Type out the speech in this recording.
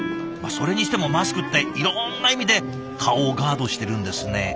それにしてもマスクっていろんな意味で顔をガードしてるんですね。